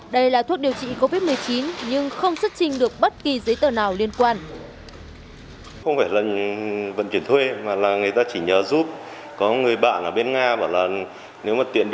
đây là thuốc điều trị covid một mươi chín nhưng không xuất trình được bất kỳ giấy tờ nào liên quan